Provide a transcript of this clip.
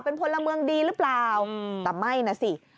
เป็นพลเมืองดีหรือเปล่าแต่ไม่นะสิ